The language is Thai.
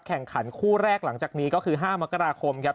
แข่งขันคู่แรกหลังจากนี้ก็คือ๕มกราคมครับ